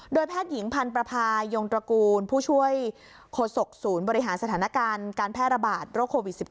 แพทย์หญิงพันธ์ประพายงตระกูลผู้ช่วยโฆษกศูนย์บริหารสถานการณ์การแพร่ระบาดโรคโควิด๑๙